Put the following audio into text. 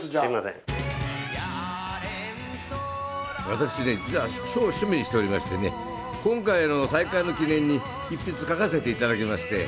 私、書を趣味にしておりまして、今回の再会の記念に一筆書かせていただきました。